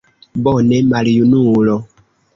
Bone, maljunulo!